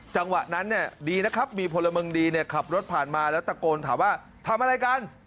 จังหวะนั้นเนี่ยดีนะครับมีพลเมืองดีเนี่ยขับรถผ่านมาแล้วตะโกนถามว่าทำอะไรกัน